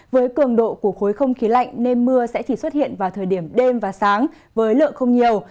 với cường độ của khối không khí lạnh nên mưa sẽ chỉ xuất hiện vào thời điểm đêm và sáng với lượng không nhiều